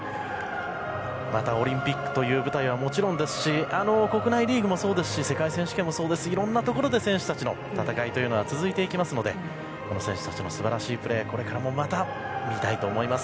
オリンピックという舞台はもちろんですし国内リーグもそうですし世界選手権もそうですしいろいろなところで選手たちの戦いは続いていきますのでこの選手たちの素晴らしいプレーをこれからもまた見たいと思います。